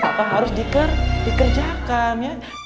maka harus dikerjakan